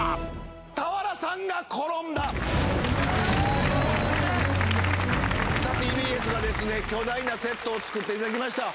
俵さんが転んだＴＢＳがですね巨大なセットを作っていただきました